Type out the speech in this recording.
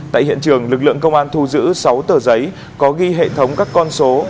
tại hiện trường lực lượng công an thu giữ sáu tờ giấy có ghi hệ thống các con số